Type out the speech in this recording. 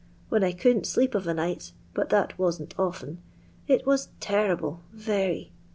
When I couldn't sleep of a night, but that wasn't often, it was terrible, very.